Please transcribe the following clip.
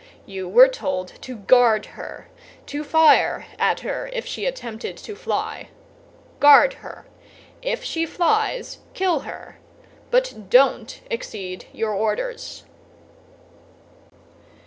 You were told to guard her—to fire at her if she attempted to fly. Guard her! If she flies, kill her; but don't exceed your orders."